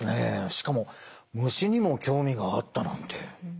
しかも虫にも興味があったなんて。